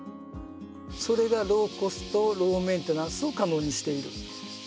それがローコストローメンテナンスを可能にしているということがいえます。